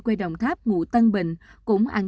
quê đồng tháp ngụ tân bình cũng ăn